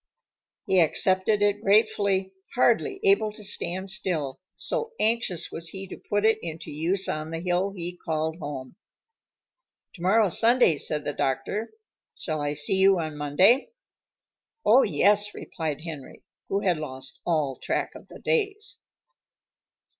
He accepted it gratefully, hardly able to stand still, so anxious was he to put it into use on the hill he called home. "Tomorrow's Sunday," said the doctor. "Shall I see you on Monday?" "Oh, yes," replied Henry, who had lost all track of the days.